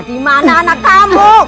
di mana anak kamu